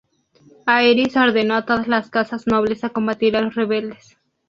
Aerys ordenó a todas las Casas nobles a combatir a los rebeldes.